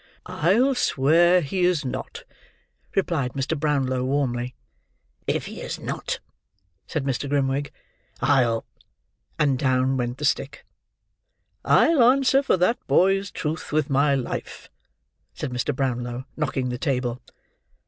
"I'll swear he is not," replied Mr. Brownlow, warmly. "If he is not," said Mr. Grimwig, "I'll—" and down went the stick. "I'll answer for that boy's truth with my life!" said Mr. Brownlow, knocking the table.